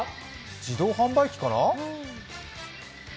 自動販売機かな？